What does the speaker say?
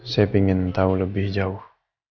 saya ingin tahu lebih jauh